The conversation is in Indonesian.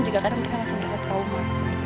juga kadang mereka masih merasa trauma